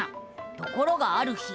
ところがある日。